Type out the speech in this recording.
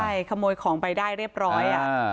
ใช่ขโมยของไปได้เรียบร้อย